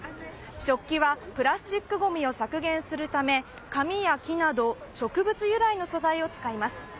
食器はプラスチックごみを削減するため紙や木など植物由来の素材を使います。